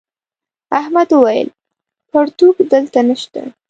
احمد وويل: پرتوگ دلته نشته.